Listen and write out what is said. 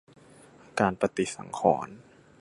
การปฏิสังขรณ์